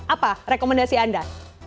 apa rekomendasi anda